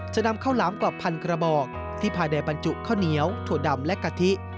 จะนำข้าวหลามกรอบพันกระบอกที่ภายในบรรจุข้าวเหนียวถั่วดำและกะทิ